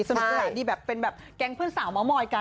สมรรถดีแบบเป็นแบบแกงเพื่อนสาวม้อมอยกัน